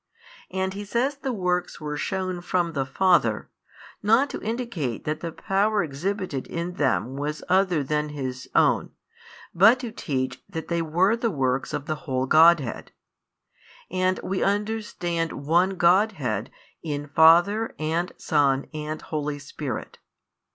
And He says the works were shown from the Father, not to indicate that the power exhibited in them was other than His own, but to teach that they were the works of the whole Godhead. And we understand One Godhead in Father and Son and Holy Spirit.